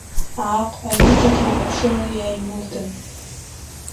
Ааҟ аҩыџьагьы лаԥшыла иааимылдан.